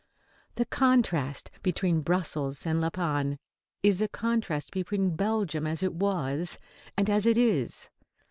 The contrast between Brussels and La Panne is the contrast between Belgium as it was and as it is.